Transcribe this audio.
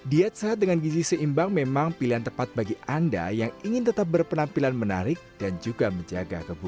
diet sehat dengan gizi seimbang memang pilihan tepat bagi anda yang ingin tetap berpenampilan menarik dan juga menjaga kebun